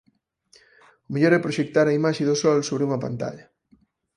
O mellor é proxectar a imaxe do Sol sobre unha pantalla.